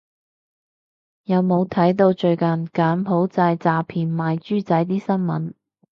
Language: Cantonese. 有冇睇到最近柬埔寨詐騙賣豬仔啲新聞